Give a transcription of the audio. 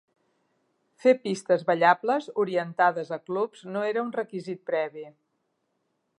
Fer pistes "ballables" orientades a clubs no era un requisit previ.